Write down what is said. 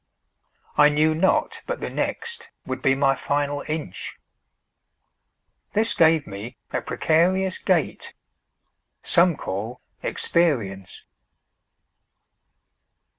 I knew not but the nextWould be my final inch,—This gave me that precarious gaitSome call experience.